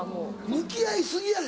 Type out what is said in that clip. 向き合い過ぎやね